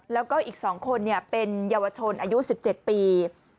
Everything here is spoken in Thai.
แล้วก็อีก๒คนเป็นเยาวชนอายุ๑๗ปี